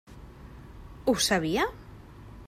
Ho sabia?